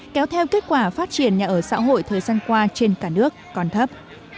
kéo theo kết quả phát triển nhà ở xã hội thời gian qua trên cả nước còn thấp